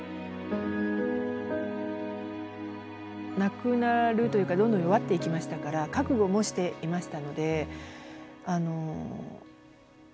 亡くなるというかどんどん弱っていきましたから覚悟もしていましたので「あ亡くなったんだな」っていう。